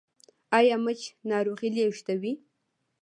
ایا مچ ناروغي لیږدوي؟